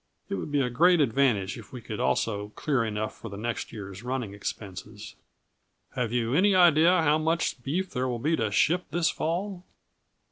It would be a great advantage if we could also clear enough for the next year's running expenses. Have you any idea how much beef there will be to ship this fall?"